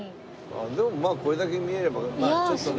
でもまあこれだけ見えればまあちょっとね。